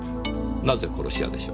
なぜ殺し屋でしょう？